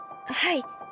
はい。